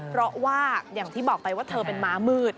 เพราะว่าอย่างที่บอกไปว่าเธอเป็นม้ามืด